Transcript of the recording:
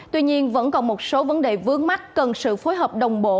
tuy nhiên vẫn còn một số vấn đề vướng mắt cần sự phối hợp đồng bộ